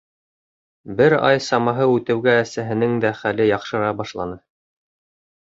Бер ай самаһы үтеүгә әсәһенең дә хәле яҡшыра башланы.